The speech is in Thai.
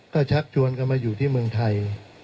ก็ชักชวนกันมาอยู่ที่เมืองไทย